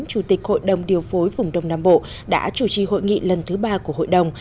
chủ tịch hội đồng điều phối vùng đông nam bộ đã chủ trì hội nghị lần thứ ba của hội đồng